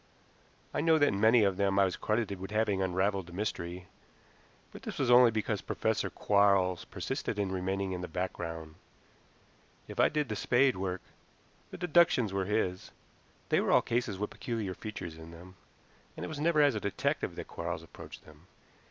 I know that in many of them I was credited with having unraveled the mystery, but this was only because Professor Quarles persisted in remaining in the background. If I did the spade work, the deductions were his. They were all cases with peculiar features in them, and it was never as a detective that Quarles approached them.